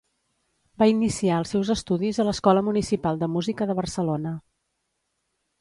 Va iniciar els seus estudis a l'Escola Municipal de Música de Barcelona.